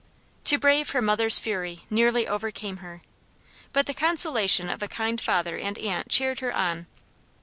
To brave her mother's fury, nearly overcame her, but the consolation of a kind father and aunt cheered her on.